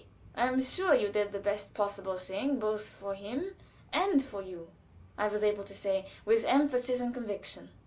"I am sure you did the best possible thing both for him and for you," I was able to say, with emphasis and conviction.